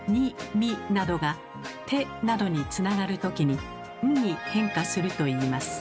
「み」などが「て」などにつながる時に「ん」に変化するといいます。